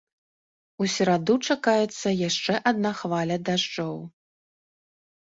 У сераду чакаецца яшчэ адна хваля дажджоў.